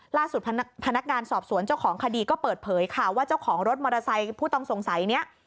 ล่าสุดพนักงานสอบสวนเจ้าของคดีก็เปิดเผยค่ะว่าเจ้าของรถมอเตอร์ไซค์ผู้ต้องสงสัยนี้